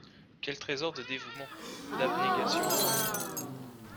Quel trésor de dévouement, d’abnégation !